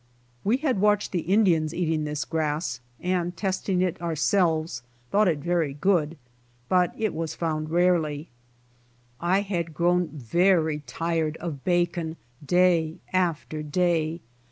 We had watched the Indians eating this grass, and testing it ourselves, thought it very good, but it was found rarely. I had grown very tired of bacon day after day.